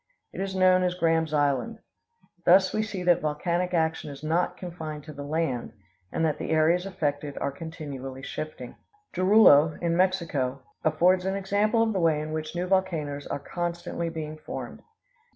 It is known as Graham's Island. Thus we see that volcanic action is not confined to the land, and that the areas affected are continually shifting. Jorullo, in Mexico, affords an example of the way in which new volcanoes are constantly being formed.